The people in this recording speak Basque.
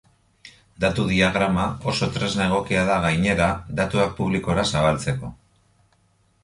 Datu diagrama oso tresna egokia da gainera datuak publikora zabaltzeko.